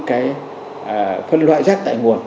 cái phân loại rác tại nguồn